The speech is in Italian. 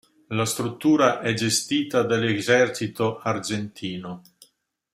La struttura è gestita dall'Ejército Argentino.